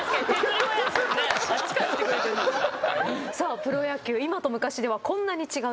プロ野球今と昔ではこんなに違う。